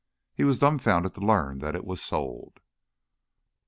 He was dumbfounded to learn that it was sold.